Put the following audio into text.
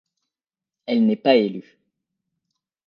Elle n'est pas élue.